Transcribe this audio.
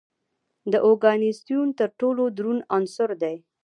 د اوګانیسون تر ټولو دروند عنصر دی.